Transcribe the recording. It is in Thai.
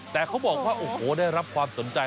แต่เขาบอกว่าโอ้โหได้รับความสนใจ